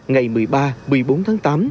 ngày một mươi ba một mươi bốn tháng tám